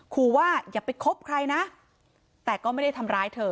ขอว่าอย่าไปคบใครนะแต่ก็ไม่ได้ทำร้ายเธอ